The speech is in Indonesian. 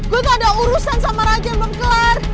gue gak ada urusan sama raja yang belum kelar